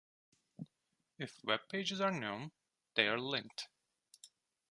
If webpages are known, they are linked.